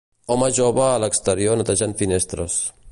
Home jove a l'exterior netejant finestres.